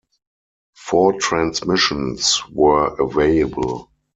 Four transmissions were available.